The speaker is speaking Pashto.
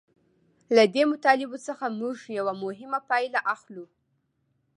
له دې مطالبو څخه موږ یوه مهمه پایله اخلو